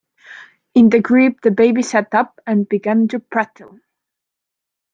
In the crib the baby sat up and began to prattle.